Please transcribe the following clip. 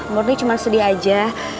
murni cuman sedih aja